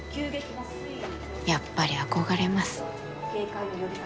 やっぱり憧れます。